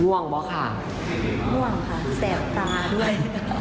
ม่วงเหรอคะม่วงค่ะแสบตาด้วย